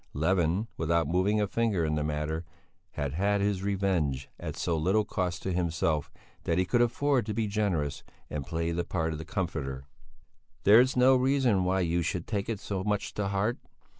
Levin, without moving a finger in the matter, had had his revenge at so little cost to himself that he could afford to be generous, and play the part of the comforter. "There's no reason why you should take it so much to heart.